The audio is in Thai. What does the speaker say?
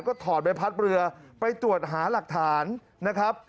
ก็ถอดใบพัดเรือไปตรวจหาหลักฐานนะครับ